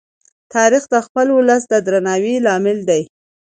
تاریخ د خپل ولس د درناوي لامل دی.